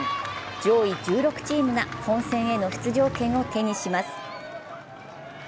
上位１６チームが本戦への出場権を手にします。